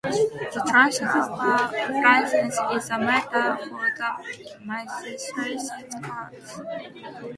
The transfer of a licence is a matter for the magistrates' courts.